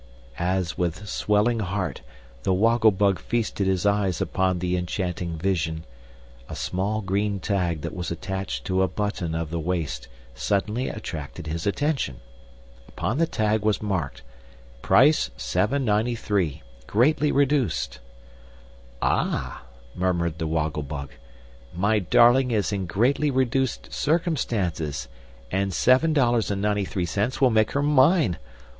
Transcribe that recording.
As, with swelling heart, the Woggle Bug feasted his eyes upon the enchanting vision, a small green tag that was attached to a button of the waist suddenly attracted his attention. Upon the tag was marked: "Price $7.93 GREATLY REDUCED." "Ah!" murmured the Woggle Bug; "my darling is in greatly reduced circumstances, and $7.93 will make her mine!